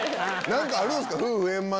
何かあるんすか？